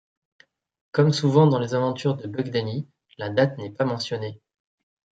Comme souvent dans Les Aventures de Buck Danny, la date n'est pas mentionnée.